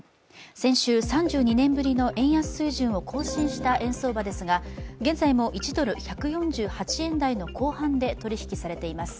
先週３２年ぶりの円安水準を更新した円相場ですが現在も１ドル＝１４８円台の後半で取り引きされています。